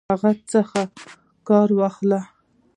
له هغه څخه کار واخلي.